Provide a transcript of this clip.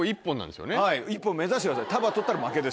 はい１本目指してください。